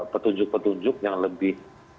petunjuk petunjuk yang lebih